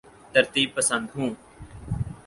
ترتیب پسند ہوں